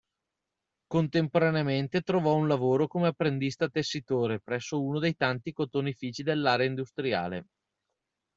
Contemporaneamente trovò un lavoro come apprendista tessitore presso uno dei tanti cotonifici dell'area industriale.